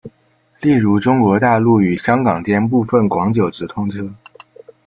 例如中国大陆与香港间部分广九直通车。